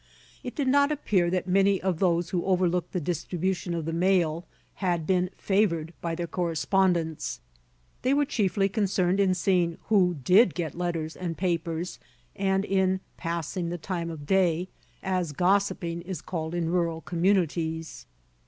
It did not appear that many of those who overlooked the distribution of the mail had been favored by their correspondents. They were chiefly concerned in seeing who did get letters and papers, and in "passin' the time o' day," as gossiping is called in rural communities.